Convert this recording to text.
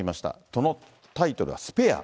そのタイトルはスペア。